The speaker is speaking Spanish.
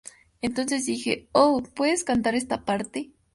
Entonces dije, "Oh, ¿puedes cantar esta parte?